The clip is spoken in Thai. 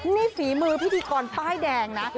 นี่ฝีมือพิธีกรป้ายแดงนะ